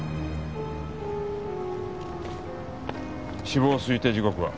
死亡推定時刻は？